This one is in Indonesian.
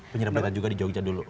penyirap berita juga di jogja dulu